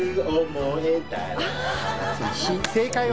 正解は？